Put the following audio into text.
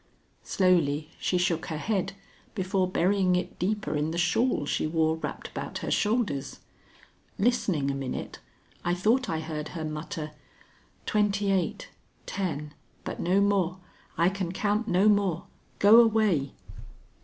Slowly she shook her head before burying it deeper in the shawl she wore wrapped about her shoulders. Listening a minute, I thought I heard her mutter: "Twenty eight, ten, but no more. I can count no more. Go away!"